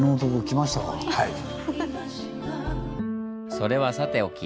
それはさておき。